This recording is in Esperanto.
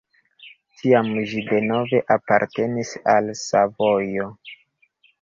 Tiam ĝi denove apartenis al Savojo.